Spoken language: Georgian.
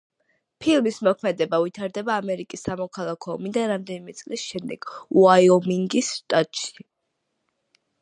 ფილმის მოქმედება ვითარდება ამერიკის სამოქალაქო ომიდან რამდენიმე წლის შემდეგ, უაიომინგის შტატში.